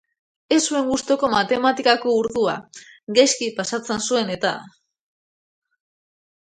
Ez zuen gustuko matematikako ordua, gaizki pasatzen zuen eta.